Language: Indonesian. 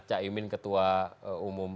caimin ketua umum